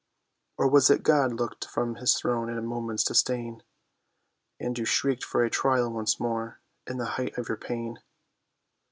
Or was it God looked from his throne in a moment's disdain, And you shrieked for a trial once more in the height of your pain?